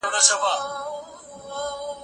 سیاستوال به د بې عدالتۍ مخنیوی کوي.